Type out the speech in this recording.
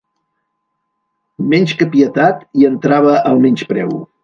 Més que pietat, hi entrava el menyspreu.